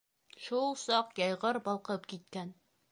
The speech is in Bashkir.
Шул саҡ йәйғор балҡып киткән.